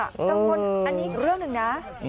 ก็เป็นเรื่องหนึ่งนะ